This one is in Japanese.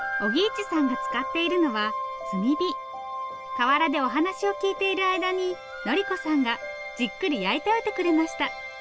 河原でお話を聞いている間に紀子さんがじっくり焼いておいてくれました。